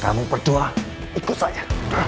kamu perjuang ikut saja